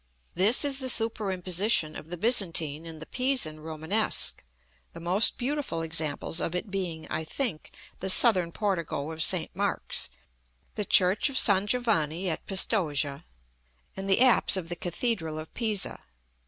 This is the superimposition of the Byzantine and the Pisan Romanesque; the most beautiful examples of it being, I think, the Southern portico of St. Mark's, the church of S. Giovanni at Pistoja, and the apse of the cathedral of Pisa.